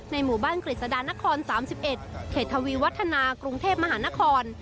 ในหมู่บ้านกฤษฎานครสามสิบเอ็ดเขตวีวัฒนากรุงเทพมหานคร